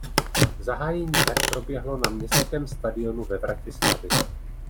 Zahájení her proběhlo na Městském stadionu ve Vratislavi.